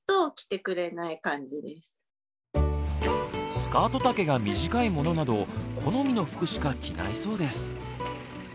スカート丈が短いものなど好みの服しか着ないそうです。